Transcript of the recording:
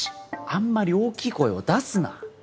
あんまり大きい声を出すな。